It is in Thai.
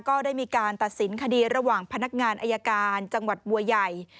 ก็ได้มีการตัดสินคดีระหว่างพนักงานอายการจังหวัดบัวใหญ่